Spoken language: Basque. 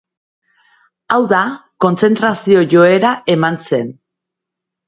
Hau da, kontzentrazio-joera eman zen.